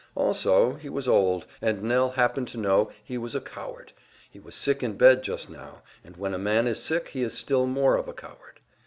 Also he was old, and Nell happened to know he was a coward; he was sick in bed just now, and when a man is sick he is still more of a coward.